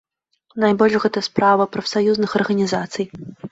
Найбольш гэта справа прафсаюзных арганізацый.